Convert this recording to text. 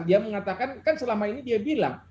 dia mengatakan kan selama ini dia bilang